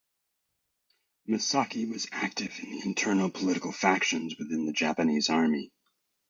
Masaki was active in the internal political factions within the Japanese Army.